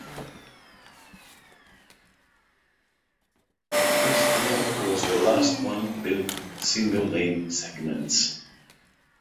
This tunnel was the last one built with single-lane segments.